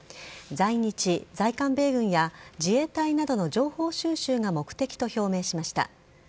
在日・在韓米軍や自衛隊などの情報収集が目的と表明しました。